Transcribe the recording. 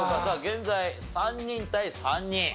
さあ現在３人対３人。